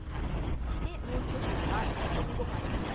もう一品が炊き込みごはんです。